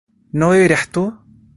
¿no beberás tú?